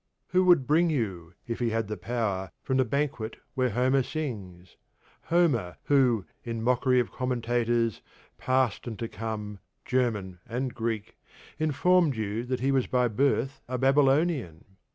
Who would bring you, if he had the power, from the banquet where Homer sings: Homer, who, in mockery of commentators, past and to come, German and Greek, informed you that he was by birth a Babylonian?